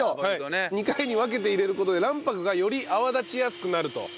２回に分けて入れる事で卵白がより泡立ちやすくなると。